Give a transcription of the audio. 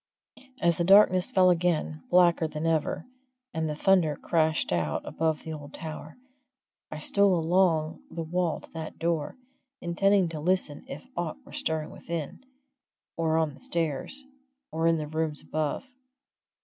As the darkness fell again, blacker than ever, and the thunder crashed out above the old tower, I stole along the wall to that door, intending to listen if aught were stirring within, or on the stairs, or in the rooms above.